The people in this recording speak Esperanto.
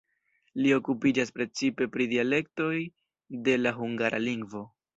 Li okupiĝas precipe pri dialektoj de la hungara lingvo.